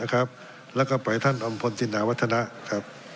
นะครับแล้วก็ไปท่านอำพลจินนาวัฒนะครับ